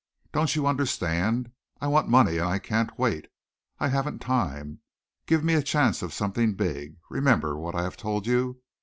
Don't you understand? I want money, and I can't wait. I haven't time. Give me a chance of something big. Remember what I have told you.